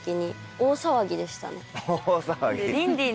大騒ぎ。